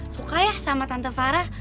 suka ya sama tante parah